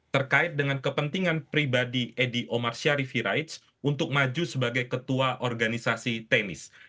terkait dengan kepentingan pribadi edy omar syarifi raitz untuk maju sebagai ketua organisasi tenis